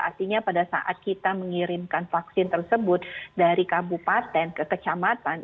artinya pada saat kita mengirimkan vaksin tersebut dari kabupaten ke kecamatan